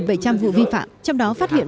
và bảy vụ vi phạm trong đó phát hiện